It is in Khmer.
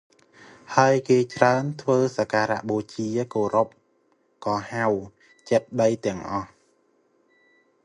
ហើយគេច្រើនធ្វើសក្ការៈបូជាគោរព ក៏ហៅ ចេតិយទាំងអស់។